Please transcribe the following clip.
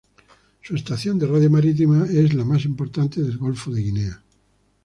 Su estación de radio marítima es la más importante del Golfo de Guinea.